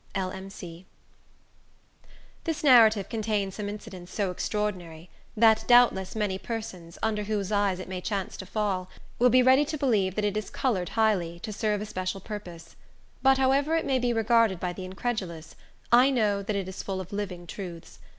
L.M.C. This narrative contains some incidents so extraordinary, that, doubtless, many persons, under whose eyes it may chance to fall, will be ready to believe that it is colored highly, to serve a special purpose. But, however it may be regarded by the incredulous, I know that it is full of living truths.